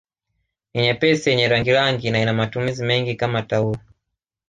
Ni nyepesi yenye rangirangi na ina matumizi mengi kama taulo